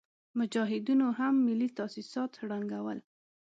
مجاهدينو هم ملي تاسيسات ړنګول.